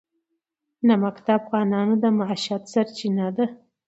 نمک د افغانانو د معیشت سرچینه ده.